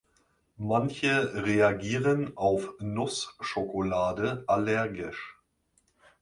Manche reagieren auf Nussschokolade allergisch.